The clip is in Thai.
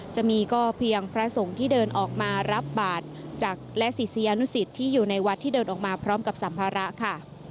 จะมีก็เพียงพระสงฆ์ที่เดินออกมารับบาทจากและศิษยานุสิตที่อยู่ในวัดที่เดินออกมาพร้อมกับสัมภาระค่ะ